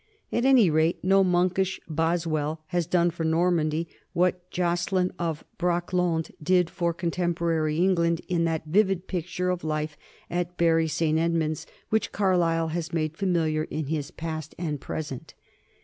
At any rate no monkish Boswell has done for Normandy what Joce lin of Brakelonde did for contemporary England in that vivid picture of life at Bury St. Edmund's which Carlyle has made familiar in his Past and Present.